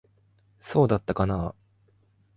そうだったかなあ。